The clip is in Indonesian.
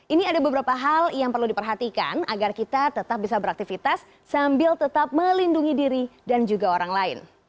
ini ada beberapa hal yang perlu diperhatikan agar kita tetap bisa beraktivitas sambil tetap melindungi diri dan juga orang lain